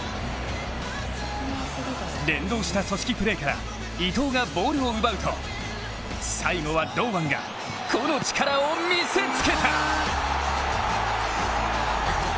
連動した組織プレーから伊東がボールを奪うと最後は堂安が個のチカラを見せつけた！